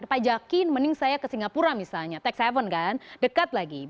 pajakin mending saya ke singapura misalnya tax haven kan dekat lagi